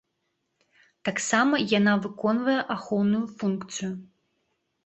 Таксама яна выконвае ахоўную функцыю.